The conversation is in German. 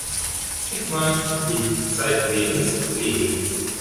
Hickmann blieb zeitlebens ledig.